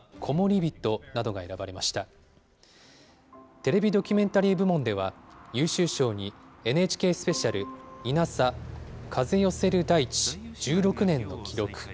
テレビ・ドキュメンタリー部門では、優秀賞に、ＮＨＫスペシャルイナサ風寄せる大地１６年の記録。